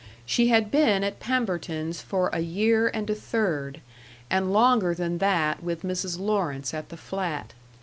She had been at Pemberton's for a year and a third, and longer than that with Mrs. Lawrence at the flat.